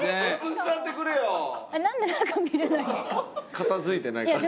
片付いてないから。